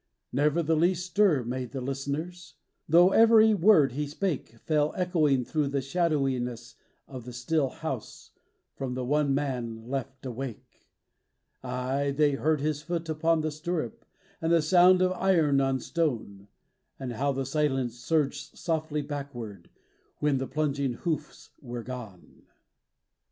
Never the least stir made the listeners, Though every word he spake Fell echoing through the shadowiness of the still house From the one man left awake: Aye, they heard his foot upon the stirrup, And the sound of iron on stone, And how the silence surged softly backward, When the plunging hoofs were gone.